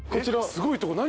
すごいとこ何？